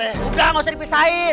enggak enggak usah dipisahin